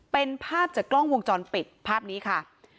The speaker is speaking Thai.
เป็นภาพจากกล้องวงจรปิดภาพนี้ค่ะ